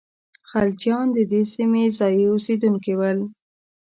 خلجیان د دې سیمې ځايي اوسېدونکي ول.